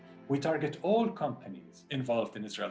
kami menarik semua perusahaan yang terlibat dalam perintah israel